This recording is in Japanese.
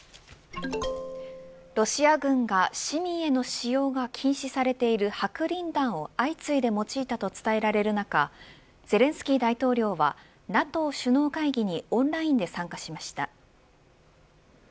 ロシア軍が市民への使用が禁止されている白リン弾を相次いで用いたと伝えられる中ゼレンスキー大統領はＮＡＴＯ首脳会議にオンラインで参加しました。